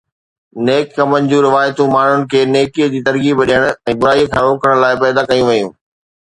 ”نيڪ ڪمن“ جون روايتون ماڻهن کي نيڪيءَ جي ترغيب ڏيڻ ۽ برائيءَ کان روڪڻ لاءِ پيدا ڪيون ويون.